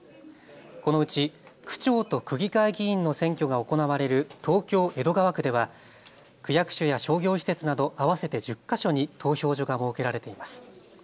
このうち区長と区議会議員の選挙が行われる東京江戸川区では区役所や商業施設など合わせて１０か所に投票所が設けられています。